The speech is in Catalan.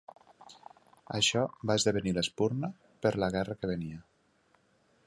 Això va esdevenir l'espurna per la guerra que venia.